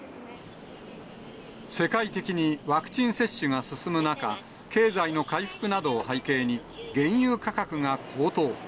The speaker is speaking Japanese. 世界的にワクチン接種が進む中、経済の回復などを背景に、原油価格が高騰。